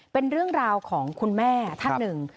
เป็นเรื่องราวของคุณแม่ท่านหนึ่ง